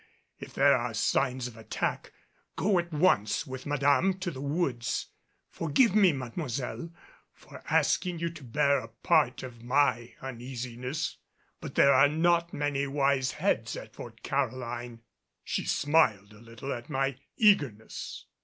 If there are signs of attack, go at once with Madame to the woods. Forgive me, Mademoiselle, for asking you to bear a part of my uneasiness, but there are not many wise heads at Fort Caroline." She smiled a little at my eagerness.